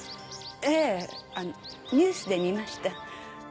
えぇニュースで見ました。